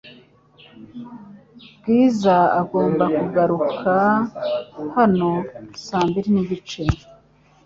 Bwiza agomba kugaruka hano saa mbiri nigice .